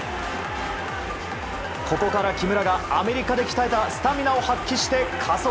ここから木村が、アメリカで鍛えたスタミナを発揮して加速。